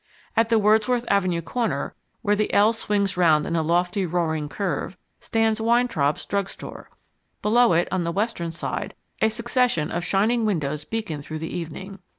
At the Wordsworth Avenue corner, where the L swings round in a lofty roaring curve, stands Weintraub's drug store; below it, on the western side, a succession of shining windows beacon through the evening.